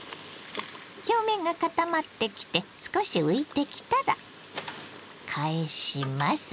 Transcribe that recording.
表面が固まってきて少し浮いてきたら返します。